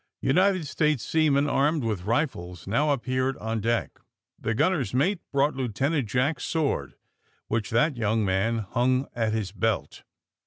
United States seamen armed with rifles now appeared on deck. The gunner's mate brought Lieutenant Jack's sword, which that young man hung at his belt.